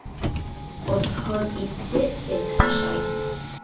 Осһоҙ итте эт ашай.